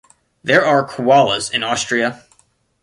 There are koalas in Austria.